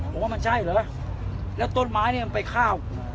ผมว่ามันใช่เหรอแล้วต้นไม้เนี่ยมันไปข้าว